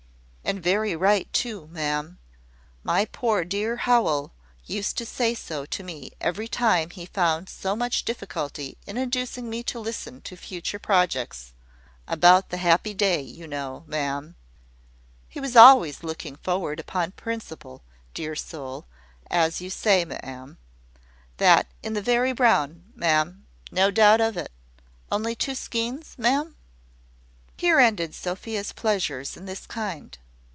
"And very right too, ma'am. My poor dear Howell used to say so to me, every time he found so much difficulty in inducing me to listen to future projects about the happy day, you know, ma'am. He was always for looking forward upon principle, dear soul! as you say, ma'am. That is the very brown, ma'am no doubt of it. Only two skeins, ma'am?" Here ended Sophia's pleasures in this kind.